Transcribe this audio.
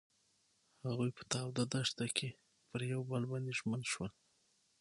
هغوی په تاوده دښته کې پر بل باندې ژمن شول.